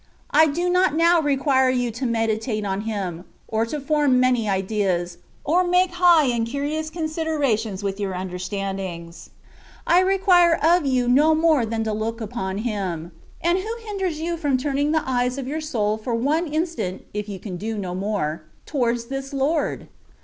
I do not now require you to meditate on Him, or to form many ideas, or make high and curious considera tions with your understandings. I require of you no more than to look upon Him. And who hinders you from turning the eyes of your soul for one instant (if you can do no more) towards this Lord